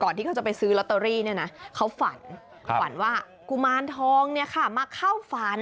กลอนที่เขาจะไปซื้อลอเตอรี่เขาฝันว่ากุมาลทองเนี่ยค่ะมาเข้าฝัน